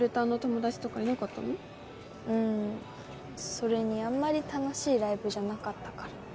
それにあんまり楽しいライブじゃなかったから。